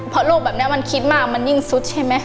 เพราะโรคแบบนี้มันคิดมากมันยิ่งสุดใช่ไหม